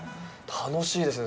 楽しいですね